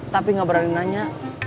tapi gak berani nanya